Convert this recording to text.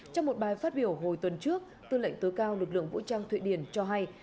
trong một bài phát biểu hồi tuần trước tư lệnh tối cao lực lượng vũ trang thụy điển cho hay